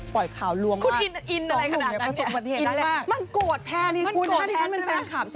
ปล่อยข่าวลวงมากสองคนอยู่ในประสุนปฏิเหตุได้เลยมันโกรธแทนเองกุ๊นถ้าที่ฉันเป็นแฟนคลับ